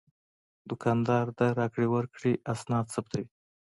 دوکاندار د راکړې ورکړې اسناد ثبتوي.